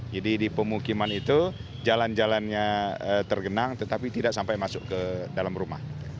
jadi di pemukiman itu jalan jalannya tergenang tetapi tidak sampai masuk ke dalam rumah